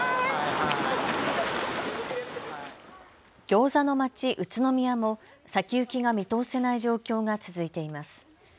ギョーザのまち、宇都宮も先行きが見通せない状況が続いています。